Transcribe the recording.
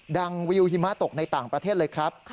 วิวหิมะตกในต่างประเทศเลยครับ